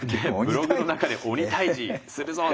ブログの中で「鬼退治するぞ」って。